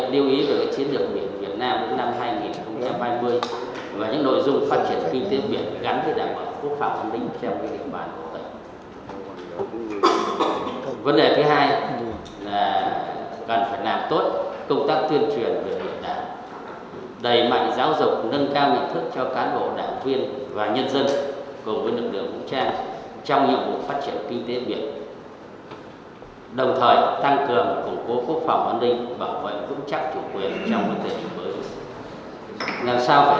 đại hội đảng bộ tỉnh về phát triển kinh tế xã hội chính phủ nghị quyết đảng bộ tỉnh về phát triển kinh tế biển đảo ngắn với tăng cường củng cố quốc phòng an ninh bảo vệ vững chắc chủ quyền trong tình hình mới